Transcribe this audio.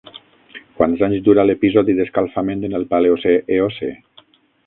Quants anys durà l'episodi d'escalfament en el Paleocè-Eocè?